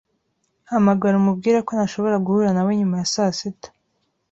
Hamagara umubwire ko ntashobora guhura nawe nyuma ya saa sita.